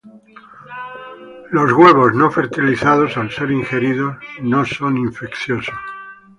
Los huevos no fertilizados al ser ingeridos, no son infecciosos.